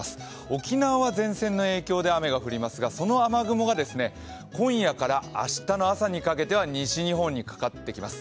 沖縄は前線の影響で雨が降りますがその雨雲が今夜から明日の朝にかけては西日本にかかってきます。